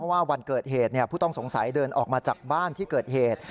ว่าวันเกิดเหตุผู้ต้องสงสัยเดินออกมาจากบ้านที่เกิดเหตุ